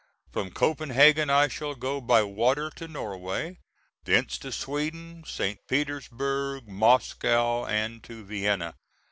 From Copenhagen I shall go by water to Norway, thence to Sweden, St. Petersburg, Moscow, and to Vienna.